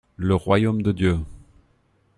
Le Royaume de Dieu.